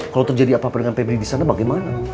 kalau terjadi apa apa dengan pbb di sana bagaimana